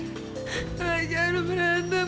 ah jangan lu berantem